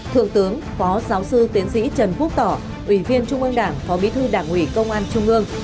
thượng tướng phó giáo sư tiến sĩ trần quốc tỏ ủy viên trung ương đảng phó bí thư đảng ủy công an trung ương